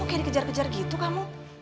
oke dikejar kejar gitu kamu